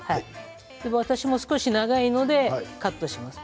私も少し長いのでカットします。